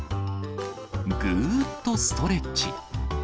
ぐーっとストレッチ。